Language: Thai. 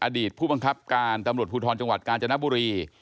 อดีตผู้บังคับการตำรวจภูทรจังหวัดกาญจนบุรี